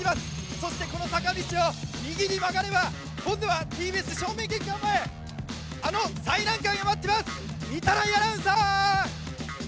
そしてこの坂道を右に曲がれば今度はＴＢＳ正面玄関前、あの最難関が待ってます、御手洗アナウンサー！